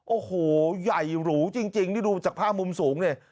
โอ้โหใหญ่หรูจริงนี่ดูจากภาพมุมสูงเนี่ย